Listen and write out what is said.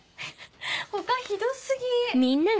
他ひど過ぎ！